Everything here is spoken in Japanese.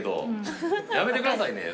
やめてくださいね。